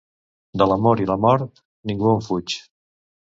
De l'amor i la mort ningú en fuig.